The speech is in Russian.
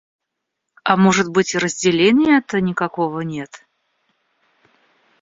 А может быть, и разделения-то никакого нет.